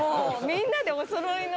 みんなでおそろいの。